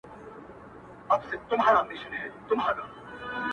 زما نوم دي گونجي ، گونجي په پېكي كي پاته سوى.